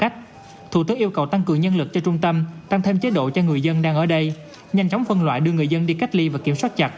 các loại đưa người dân đi cách ly và kiểm soát chặt